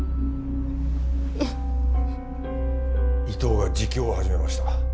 伊藤が自供を始めました。